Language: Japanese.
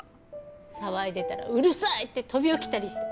騒いでたら「うるさい！」って飛び起きたりして。